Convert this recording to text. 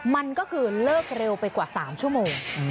มันก็คือเลิกเร็วไปกว่า๓ชั่วโมง